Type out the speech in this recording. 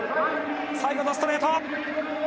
最後のストレート。